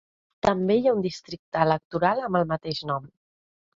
També hi ha un districte electoral amb el mateix nom.